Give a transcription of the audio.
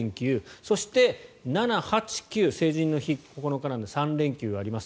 そして、７、８、９成人の日が９日なので３連休あります。